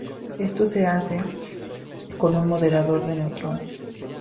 Esto se hace con un moderador de neutrones.